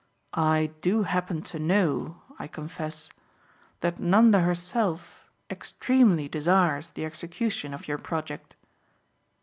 "I do happen to know, I confess, that Nanda herself extremely desires the execution of your project."